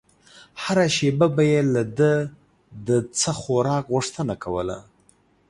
هره شېبه به يې له ده د څه خوراک غوښتنه کوله.